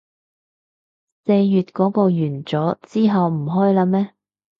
四月嗰個完咗，之後唔開喇咩